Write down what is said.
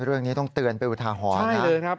เรื่องนี้ต้องเตือนไปวิทยาหรณ์นะใช่เลยครับ